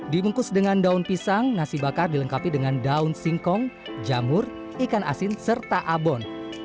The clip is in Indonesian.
dibungkus dengan daun pisang nasi bakar dilengkapi dengan daun singkong jamur ikan asin serta abon